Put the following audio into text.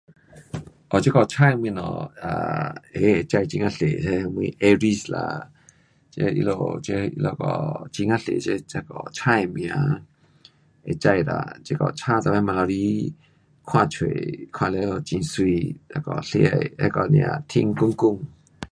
哦这个星的东西 um 会，会知很呀多那什么，Aries 啦，这他们这那个很呀多这那个星的名，um 会知啦，这个星每次晚头里看出，看了很美,那个世界，那个不啊天亮亮。